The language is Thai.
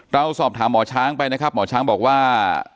เราสอบถามหมอช้างไปนะครับหมอช้างบอกว่า